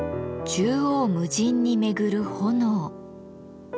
縦横無尽に巡る炎。